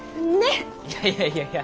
いやいやいやいや。